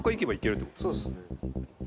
そうですね。